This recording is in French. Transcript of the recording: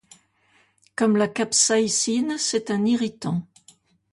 Comme la capsaïcine, c'est un irritant.